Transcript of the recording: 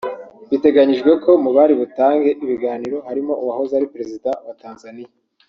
Biteganyijwe ko mu bari butange ibiganiro harimo uwahoze ari Perezida wa Tanzania